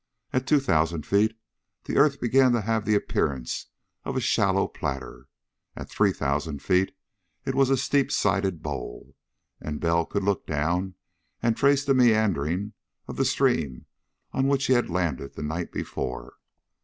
At two thousand feet the earth began to have the appearance of a shallow platter. At three thousand it was a steep sided bowl, and Bell could look down and trace the meandering of the stream on which he had landed the night before.